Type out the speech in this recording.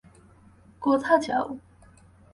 কোথা যাও?